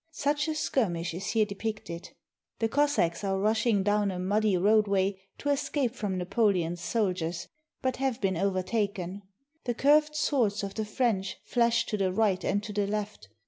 Such a skirmish is here depicted. The Cos sacks are rushing down a muddy roadway to escape from Napoleon's soldiers, but have been overtaken. The curved swords of the French flash to the right and to the left.